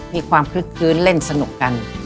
มีความคึกคลื้นเล่นสนุกกัน